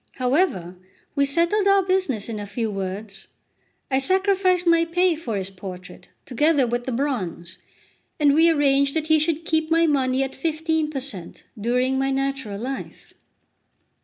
However, we settled our business in a few words. I sacrificed my pay for his portrait, together with the bronze, and we arranged that he should keep my money at 15 per cent. during my natural life.